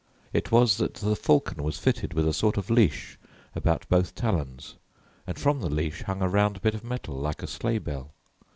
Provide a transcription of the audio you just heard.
It was that the falcon was fitted with a sort of leash about both talons, and from the leash hung a round bit of metal like a sleigh bell.